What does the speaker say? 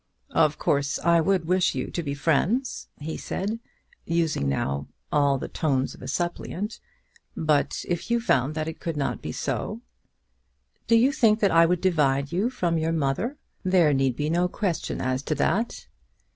"Of course, I would wish you to be friends," he said, using now all the tones of a suppliant; "but if you found that it could not be so " "Do you think that I would divide you from your mother?" "There need be no question as to that."